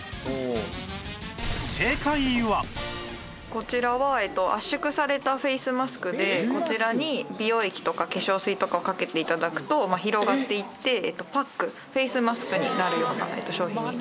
こちらは圧縮されたフェイスマスクでこちらに美容液とか化粧水とかをかけて頂くと広がっていってパックフェイスマスクになるような商品になっています。